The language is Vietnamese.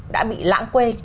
đã bị lãng quê